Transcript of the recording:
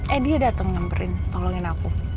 eh dia dateng nyemperin tolongin aku